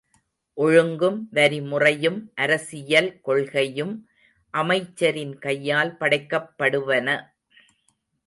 ஒழுங்கும், வரிமுறையும், அரசியல் கொள்கையும் அமைச்சரின் கையால் படைக்கப்படுவன.